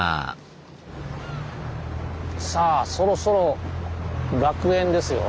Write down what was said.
そろそろ楽園ですよ。